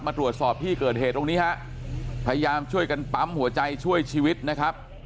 มาตรวจสอบที่เกิดเหตุตรงนี้ฮะพยายามช่วยกันปั๊มหัวใจช่วยชีวิตนะครับ